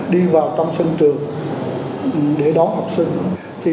đi vào trong sân trường để đón học sinh